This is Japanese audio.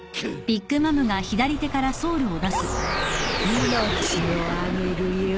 命をあげるよ。